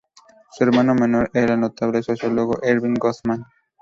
Su hermano menor era el notable sociólogo Erving Goffman.